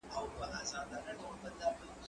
کېدای سي کالي ګنده وي؟!